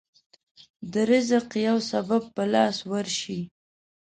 د رزق يو سبب په لاس ورشي.